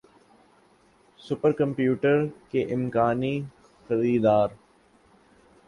super computer کے امکانی خریدار